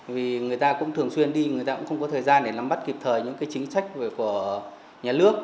vì người ta cũng thường xuyên đi người ta cũng không có thời gian để nắm bắt kịp thời những chính sách của nhà nước